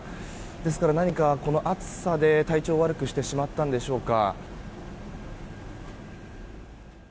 ですから何かこの暑さで体調を悪くしてしまったんでしょうか。